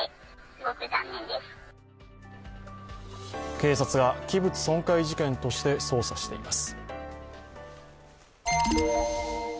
警察が器物損壊事件として捜査しています。